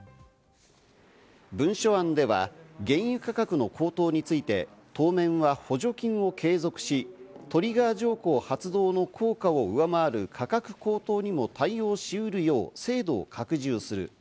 文書案では原油価格の高騰について当面は補助金を継続し、トリガー条項発動の効果を上回る価格高騰にも対応をしうるよう制度を拡充する。